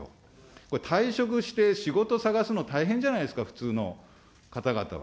これ、退職して仕事探すの大変じゃないですか、普通の方々は。